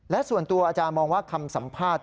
และส่วนตัวอาจารย์มองว่าคำสัมภาษณ์